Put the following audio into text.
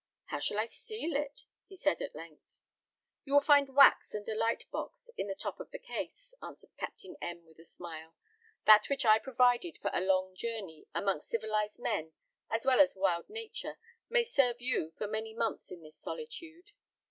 "How shall I seal it?" he said at length. "You will find wax and a light box in the top of the case," answered Captain M , with a smile. "That which I provided for a long journey amongst civilised men as well as wild nature, may serve you for many months in this solitude."